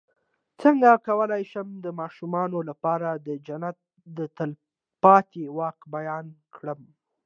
څنګه کولی شم د ماشومانو لپاره د جنت د تل پاتې واک بیان کړم